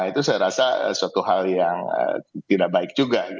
itu saya rasa suatu hal yang tidak baik juga